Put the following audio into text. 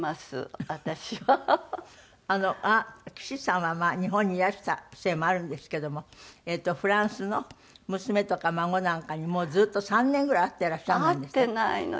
岸さんは日本にいらしたせいもあるんですけどもフランスの娘とか孫なんかにもうずっと３年ぐらい会ってらっしゃらない？